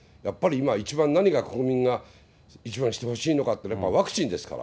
今、一番何が、国民が一番してほしいのかっていうのは、やっぱりワクチンですから。